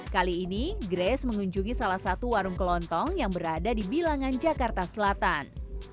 kali ini grace mengunjungi salah satu warung kelontong yang berada di bilangan jakarta selatan